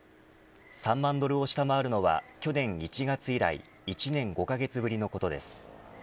３万ドルを下回るのは去年１月以来１年５カ月ぶりのことです。